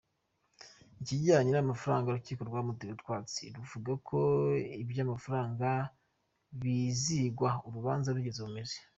Ikijyanye n’amafaranga urukiko rwamuteye utwatsi ruvuga ko ibyamafaranga bizigwa urubanza rugeze mu mizi.